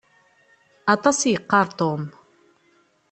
Aṭas i yeqqaṛ Tom.